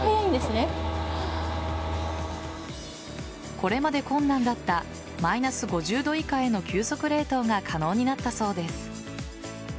これまで困難だったマイナス５０度以下への急速冷凍が可能になったそうです。